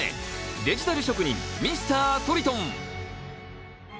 デジタル職人ミスター・トリトン。